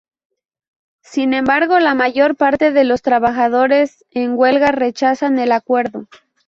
Sin embargo, la mayor parte de los trabajadores en huelga rechazan el acuerdo.